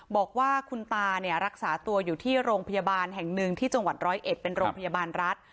บอกว่าคุณตาเนี่ยรักษาตัวอยู่ที่โรงพยาบาลแห่งหนึ่งที่จังหวัดร้อยเอ็ดเป็นโรงพยาบาลรัฐ